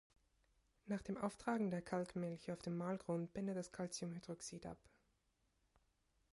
Nach dem Auftragen der Kalkmilch auf den Malgrund bindet das Calciumhydroxid ab.